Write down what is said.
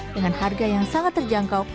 dengan harga yang sangat terjangkau